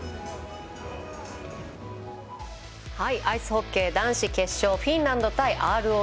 アイスホッケー男子決勝フィンランド対ＲＯＣ。